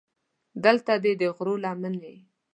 دلته دې د غرو لمنې.